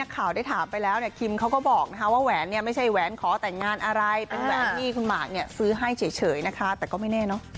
การอะไรเป็นแหวนที่คุณหมากเนี่ยซื้อให้เฉยนะคะแต่ก็ไม่แน่เนาะ